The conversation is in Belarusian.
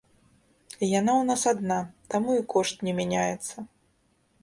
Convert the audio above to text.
Яна ў нас адна, таму і кошт не мяняецца.